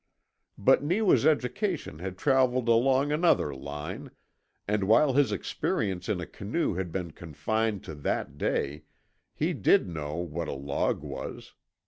But Neewa's education had travelled along another line, and while his experience in a canoe had been confined to that day he did know what a log was.